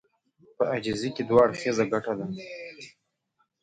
په عاجزي کې دوه اړخيزه ګټه ده.